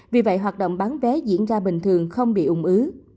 vì vậy hoạt động bán vé diễn ra bình thường không bị ủng ứ